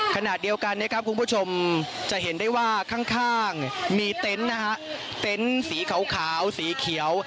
ขณะเดียวกันนะครับคุณผู้ชมจะเห็นได้ว่าข้างมีเต็นต์นะฮะเต็นต์สีขาวสีเขียว